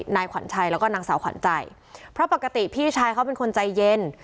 นายขวัญชัยแล้วก็นางสาวขวัญใจเพราะปกติพี่ชายเขาเป็นคนใจเย็น